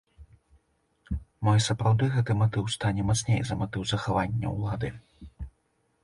Мо і сапраўды гэты матыў стане мацней за матыў захавання ўлады?